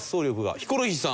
ヒコロヒーさん。